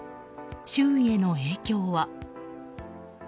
周囲への影響は。